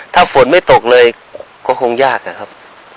ถ้าฝนไม่ตกเลยก็คงยากอะครับ